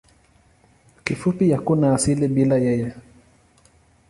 Kifupi hakuna asili bila yeye.